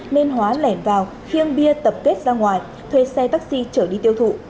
nên hóa lẻn vào khiêng bia tập kết ra ngoài thuê xe taxi trở đi tiêu thụ